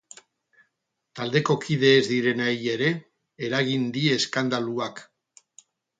Taldeko kide ez direnei ere eragin die eskandaluak.